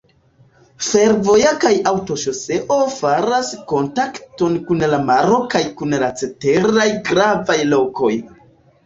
Fervojo kaj aŭtoŝoseo faras kontakton kun la maro kaj kun la ceteraj gravaj lokoj.